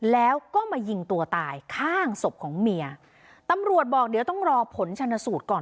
แล้วก็มายิงตัวตายข้างศพของเมียตำรวจบอกเดี๋ยวต้องรอผลชนสูตรก่อน